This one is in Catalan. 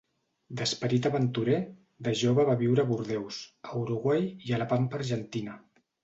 D'esperit aventurer, de jove va viure a Bordeus, a Uruguai i a la Pampa argentina.